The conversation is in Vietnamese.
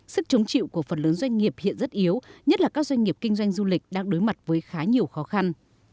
sức chống chịu của phần lớn doanh nghiệp hiện rất yếu nhất là các doanh nghiệp kinh doanh du lịch đang đối mặt với khá nhiều khó khăn